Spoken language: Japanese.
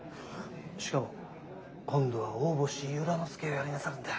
しかも今度は大星由良之助をやりなさるんだ。